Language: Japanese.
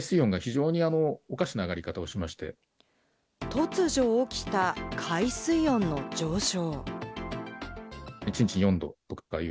突如起きた海水温の上昇。